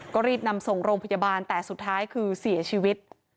ก็รีบนำส่งโรงพยาบาลแต่สุดท้ายคือเสียชีวิต